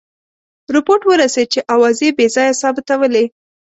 رپوټ ورسېد چې آوازې بې ځایه ثابتولې.